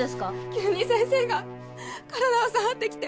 急に先生が体を触ってきて